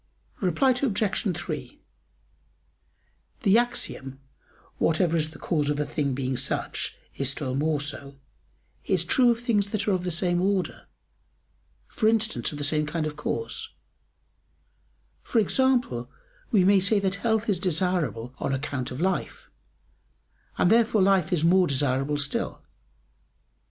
Reply Obj. 3: The axiom, "whatever is the cause of a thing being such, is still more so," is true of things that are of the same order, for instance, of the same kind of cause; for example, we may say that health is desirable on account of life, and therefore life is more desirable still.